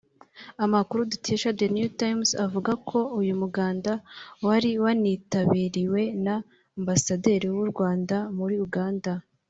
Amakuru dukesha The New Times avuga ko uyu muganda wari wanitabiriwe na Ambasaderi w’u Rwanda muri Uganda